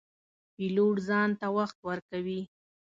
پیلوټ ځان ته وخت ورکوي.